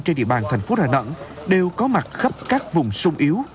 trên địa bàn thành phố đà nẵng đều có mặt khắp các vùng sung yếu